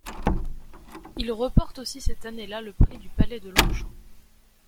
Il reporte aussi cette année-là le prix du Palais de Longchamp.